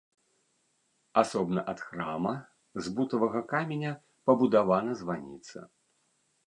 Асобна ад храма з бутавага каменя пабудавана званіца.